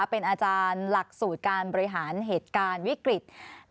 เป็นอาจารย์หลักสูตรการบริหารเหตุการวิกฤตและเจรจาต่อรอง